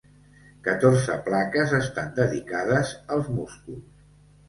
Catorze plaques estan dedicades als músculs.